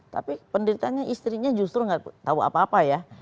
tapi penderitanya istrinya justru nggak tahu apa apa ya